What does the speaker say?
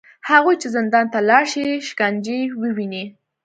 هغوی چې زندان ته لاړ شي، شکنجې وویني